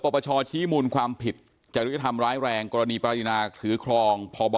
ปปชชี้มูลความผิดจริยธรรมร้ายแรงกรณีปรินาถือครองพบ